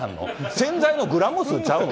洗剤のグラム数ちゃうの？